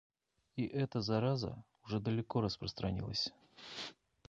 И эта зараза уже далеко распространилась.